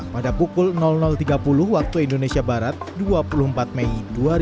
pada pukul tiga puluh waktu indonesia barat dua puluh empat mei dua ribu dua puluh